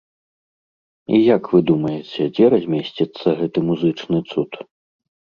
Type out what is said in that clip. І як вы думаеце, дзе размесціцца гэты музычны цуд?